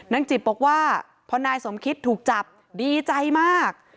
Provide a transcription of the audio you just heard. จิบบอกว่าพอนายสมคิตถูกจับดีใจมาก